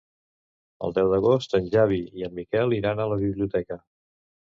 El deu d'agost en Xavi i en Miquel iran a la biblioteca.